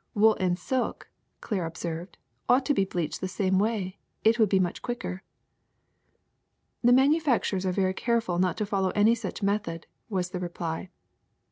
'' "Wool and silk," Claire observed, "ought to be bleached that way too : it would be much quicker." "The manufacturers are very careful not to fol low any such method," was the reply.